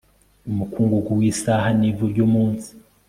umukungugu w'isaha n'ivu ry'umunsi